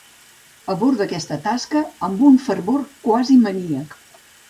Aborda aquesta tasca amb un fervor quasi maníac.